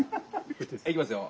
・はいいきますよ。